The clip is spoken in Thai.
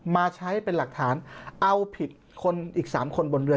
มาใช้เป็นหลักฐานเอาผิดคนอีก๓คนบนเรือ